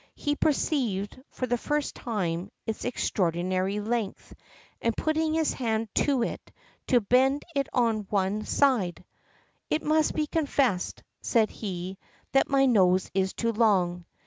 He perceived, for the first time, its extraordinary length, and putting his hand to it to bend it on one side, "It must be confessed," said he, "that my nose is too long."